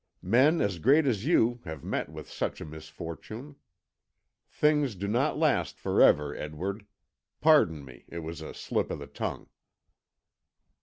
Men as great as you have met with such a misfortune. Things do not last for ever, Edward pardon me. it was a slip of the tongue."